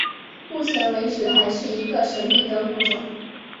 目前为止还是一个神秘的物种。